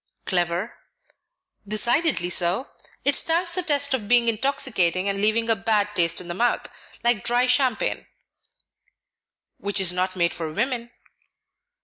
"Clever?" "Decidedly so; it stands the test of being intoxicating and leaving a bad taste in the mouth, like dry champagne." "Which is not made for women."